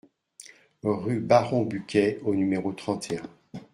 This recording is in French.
Rue Baron Buquet au numéro trente et un